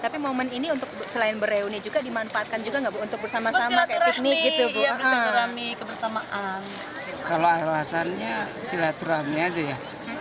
perawasannya silaturahmi saja ya